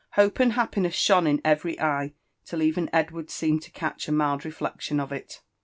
^ Uo))e and bappineset shoqe yi every eye, till even Edward's seemed to catch a mild rcOcclioii of ii.